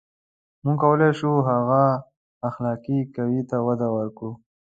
• موږ کولای شو، هغې اخلاقي قوې ته وده ورکړو.